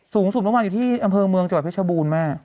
สูงสุดประมาณอยู่ที่อำเภอเมืองจักรเพชรบูรณ์แม่